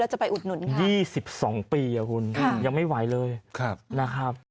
แล้วจะไปอุดหนุนยี่สิบสองปีอ่ะคุณค่ะยังไม่ไหวเลยครับนะครับ